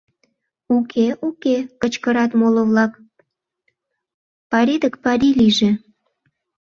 — Уке-уке, — кычкырат моло-влак, — пари дык пари лийже.